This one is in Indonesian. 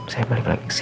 saya balik lagi ke sini